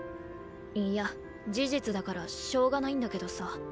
いや事実だからしょうがないんだけどさ。